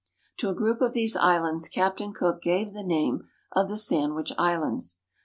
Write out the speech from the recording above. To a group of these islands Captain Cook gave the name of the Sandwich Islands.